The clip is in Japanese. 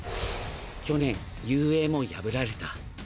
去年雄英も破られた。